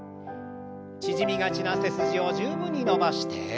縮みがちな背筋を十分に伸ばして。